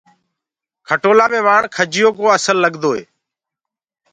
کٽولآ مي وآڻ کجيو ڪو اسل لگدو هي۔